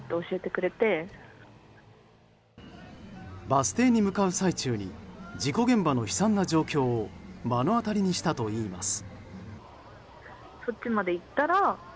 バス停に向かう最中に事故現場の悲惨な状況を目の当たりにしたといいます。